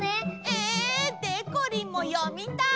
え！でこりんも読みたい！